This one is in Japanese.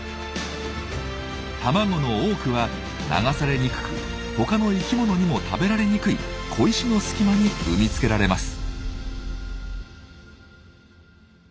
卵の多くは流されにくく他の生きものにも食べられにくい小石の隙間に産み付けられます。